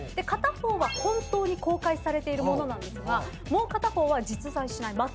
片方は本当に公開されているものなんですがもう片方は実在しない